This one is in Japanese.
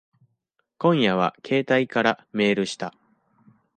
今夜は携帯からメールした。